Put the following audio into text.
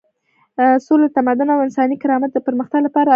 سوله د تمدن او انساني کرامت د پرمختګ لپاره اړینه ده.